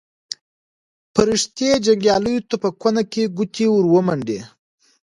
فرښتې جنګیالیو ته په کونه کې ګوتې ورمنډي.